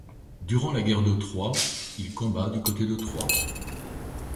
Durant la guerre de Troie, il combat du côté de Troie.